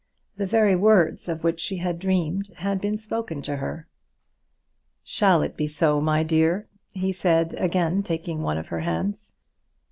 The very words of which she had dreamed had been spoken to her. "Shall it be so, my dear?" he said, again taking one of her hands.